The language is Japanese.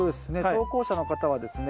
投稿者の方はですね